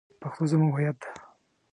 پښتو زمونږ هویت ده